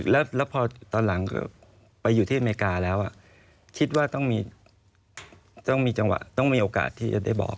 แล้วพอตอนหลังไปอยู่ที่อเมริกาแล้วคิดว่าต้องมีจังหวะต้องมีโอกาสที่จะได้บอก